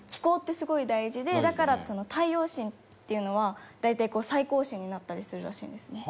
だから太陽神っていうのは大体最高神になったりするらしいんですね